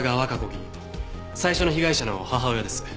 議員最初の被害者の母親です。